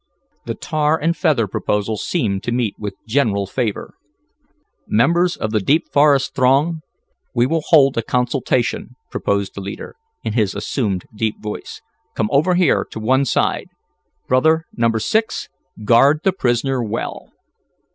The tar and feather proposal seemed to meet with general favor. "Members of the Deep Forest Throng, we will hold a consultation," proposed the leader, in his assumed deep voice. "Come over here, to one side. Brother Number Six, guard the prisoner well."